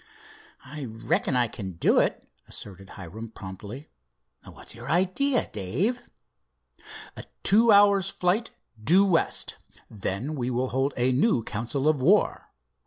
"I reckon I can do it," asserted Hiram promptly. "What's your idea, Dave?" "A two hours' flight, due west. Then we will hold a new council of war.